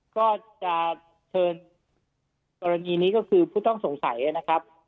ก็จะเชิญกรณีนี้ก็คือผู้ต้องสงสัยนะครับ